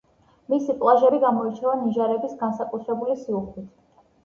მისი პლაჟები გამოირჩევა ნიჟარების განსაკუთრებული სიუხვით.